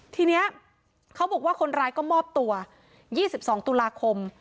ทีเนี้ยเขาบอกว่าคนร้ายก็มอบตัวยี่สิบสองตุลาคม